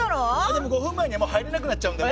でも５分前にはもう入れなくなっちゃうんで。